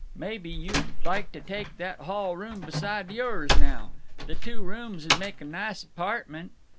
"Maybe you'd like to take that hall room beside yours now. The two rooms'd make a nice apartment."